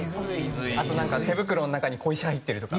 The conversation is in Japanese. あと、手袋の中に小石入ってるとか。